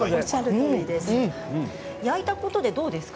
焼いたことでどうですか？